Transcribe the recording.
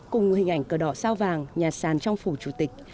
cùng hình ảnh cờ đỏ sao vàng nhà sàn trong phủ chủ tịch